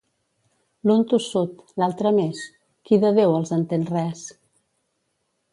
L'un tossut, l'altre més, qui de Déu els entén res?